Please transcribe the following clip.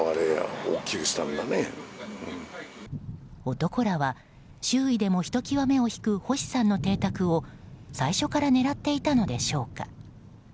男らは周囲でもひと際目を引く星さんの邸宅を最初から狙っていたのでしょうか。